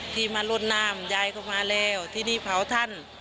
ที่มารดน้ำยายก็มาแล้วทีนี้เผาท่าน